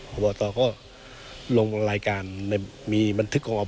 อบรับตัวก็ลงรายการในมันเทือกของอบรับตัว